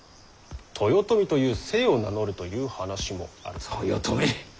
豊臣という姓を名乗るという話もある。